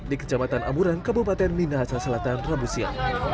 di kejamatan amuran kabupaten minahasa selatan rabusia